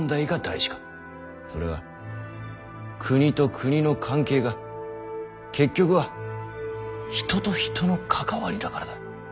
それは国と国の関係が結局は人と人の関わりだからだ。